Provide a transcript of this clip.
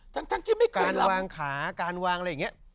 การวางขาการวางอะไรอย่างเงี้ย